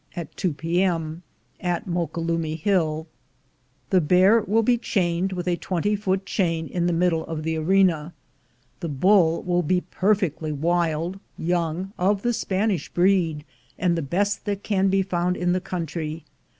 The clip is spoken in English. at 2 p.m., at Moquelumne Hill. "The Bear will be chained with a twenty foot chain in the middle of the arena. The Bull will be perfectly wild, young, of the Spanish breed, and the best that can be found in the country.